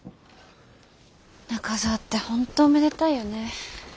中澤って本当おめでたいよね。